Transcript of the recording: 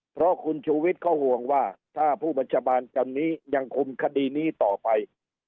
เพราะคุณชูวิทย์เขาห่วงว่าถ้าผู้บัญชาการจันนี้ยังคุมคดีนี้ต่อไป